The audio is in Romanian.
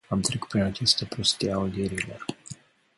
Am trecut prin această prostie a audierilor.